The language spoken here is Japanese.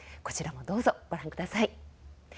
こちらもどうぞご覧ください。